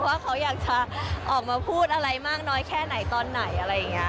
ว่าเขาอยากจะออกมาพูดอะไรมากน้อยแค่ไหนตอนไหน